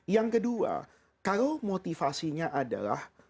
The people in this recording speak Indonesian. yang kedua kalau motivasinya adalah